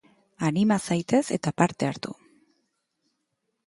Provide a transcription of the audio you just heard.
Anima zaitez eta parte hartu.